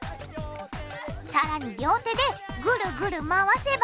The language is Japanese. さらに両手でグルグル回せば